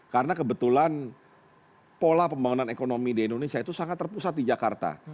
karena kebetulan pola pembangunan ekonomi di indonesia itu sangat terpusat di jakarta